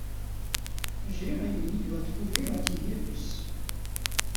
Jérémie doit trouver l'antivirus.